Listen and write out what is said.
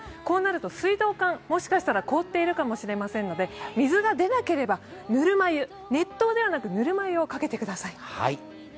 こうなると水道管、もしかしたら凍っているかもしれませんので水が出なければ熱湯ではなくぬるま湯をかけてください。